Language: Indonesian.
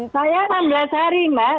saya enam belas hari mbak jangan salah